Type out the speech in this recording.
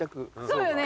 そうよね？